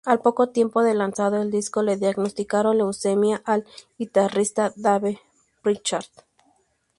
Al poco tiempo de lanzado el disco, le diagnosticaron leucemia al guitarrista Dave Pritchard.